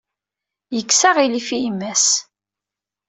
Yekkes aɣilif i yemma-s.